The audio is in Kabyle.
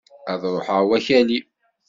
Ad ruḥen wakali!